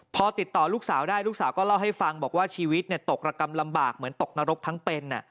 พอติดต่อลูกสาวได้ลูกสาวก็เล่าให้ฟังบอกว่าชีวิตตกระกำลำบากเหมือนตกนรกทั้งเป็น